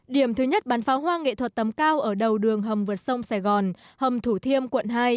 điểm thứ nhất bắn pháo hoa nghệ thuật tầm cao ở đầu đường hầm vượt sông sài gòn hầm thủ thiêm quận hai